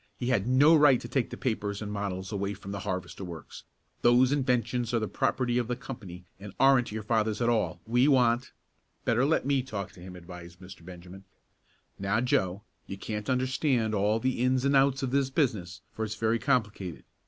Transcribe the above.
He had no right to take the papers and models away from the harvester works. Those inventions are the property of the company and aren't your father's at all. We want " "Better let me talk to him," advised Mr. Benjamin. "Now Joe, you can't understand all the ins and outs of this business, for it's very complicated.